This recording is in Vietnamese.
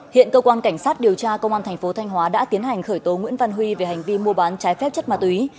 hiện cơ quan cảnh sát điều tra công an thành phố thanh hóa đã tiến hành khởi tố nguyễn văn huy về hành vi mua bán trái phép chất ma túy